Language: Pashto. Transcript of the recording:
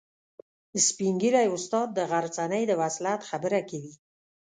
سپین ږیری استاد د غرڅنۍ د وصلت خبره کوي.